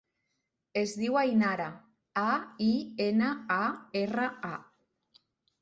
Es diu Ainara: a, i, ena, a, erra, a.